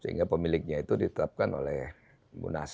sehingga pemiliknya itu ditetapkan oleh munas